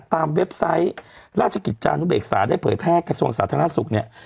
เว็บไซต์ราชกิจจานุเบกษาได้เผยแพร่กระทรวงสาธารณสุขเนี่ย